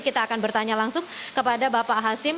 kita akan bertanya langsung kepada bapak hasim